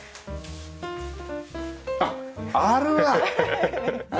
あっあるわ。